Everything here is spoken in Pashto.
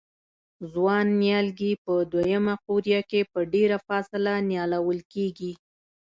ځوان نیالګي په دوه یمه قوریه کې په ډېره فاصله نیالول کېږي.